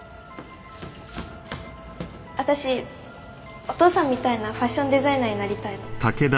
私お父さんみたいなファッションデザイナーになりたいの。